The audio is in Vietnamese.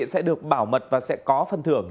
sẽ được bảo mật và sẽ có phân thưởng